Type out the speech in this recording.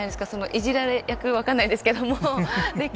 いじられ役分からないですけれど